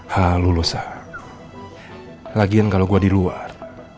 halulosa lagian kalau gue di luar